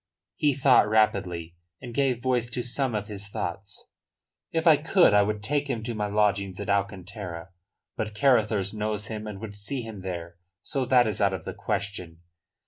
He thought rapidly, and gave voice to some of his thoughts. "If I could I would take him to my lodgings at Alcantara. But Carruthers knows him and would see him there. So that is out of the question.